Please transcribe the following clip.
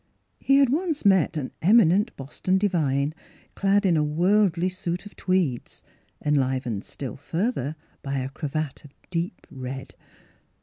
He had once met an eminent Boston divine clad in a worldly suit of tweeds, enlivened still further by a cravat of deep red.